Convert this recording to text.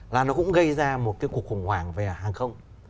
là nó cũng gây ra một cái cuộc khủng hoảng về hàng không